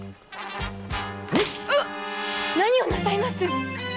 何をなさいます！